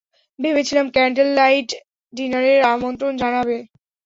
ভেবেছিলাম candle light ডিনারের আমন্ত্রণ জানাবে।